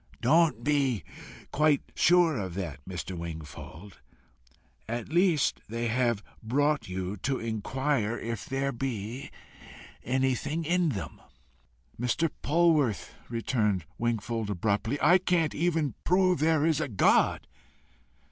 "Don't be quite sure of that, Mr. Wingfold. At least, they have brought you to inquire if there be anything in them." "Mr. Polwarth," returned Wingfold abruptly, "I cannot even prove there is a God!"